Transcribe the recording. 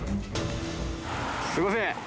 すみません！